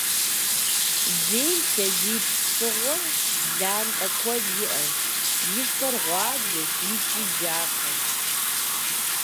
Дейм лъэдий псыгъуэ лантӏэ куэд иӏэщ, и фэр гъуабжэщ икӏи джафэщ.